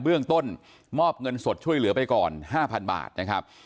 เบื้องต้นมอบเงินสดช่วยเหลือไปก่อน๕๐๐บาทนะครับ